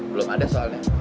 belum ada soalnya